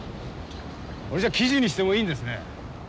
それじゃ記事にしてもいいんですね。